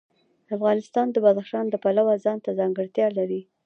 افغانستان د بدخشان د پلوه ځانته ځانګړتیا لري.